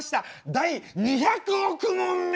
第２００億問目！